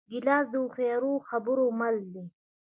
ګیلاس د هوښیارو خبرو مل دی.